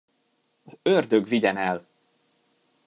Az ördög vigyen el!